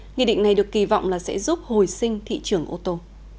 nghị định này được kỳ vọng là sẽ giúp hồi sinh thị trường ô tô